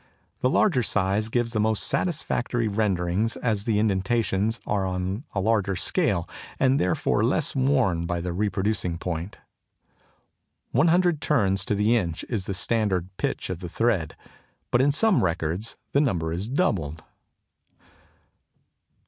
The larger size gives the most satisfactory renderings, as the indentations are on a larger scale and therefore less worn by the reproducing point. One hundred turns to the inch is the standard pitch of the thread; but in some records the number is doubled.